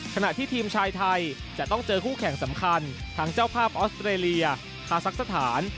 ขณะที่ทีมชายไทยจะต้องเจอคู่แข่งสำคัญทั้งเจ้าภาพออสเตรเลียคาซักสถาน